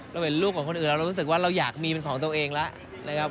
เราเห็นรูปของคนอื่นแล้วเรารู้สึกว่าเราอยากมีเป็นของตัวเองแล้วนะครับ